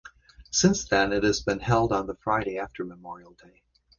Since then it has been held on the Friday after Memorial Day.